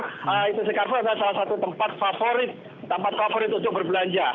itc carrefour adalah salah satu tempat favorit untuk berbelanja